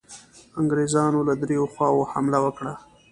انګرېزانو له دریو خواوو حمله وکړه.